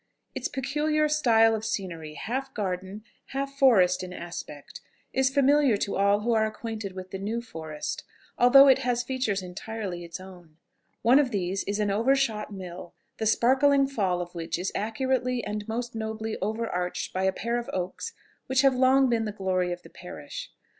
Its peculiar style of scenery, half garden, half forest in aspect, is familiar to all who are acquainted with the New Forest, although it has features entirely its own. One of these is an overshot mill, the sparkling fall of which is accurately and most nobly overarched by a pair of oaks which have long been the glory of the parish.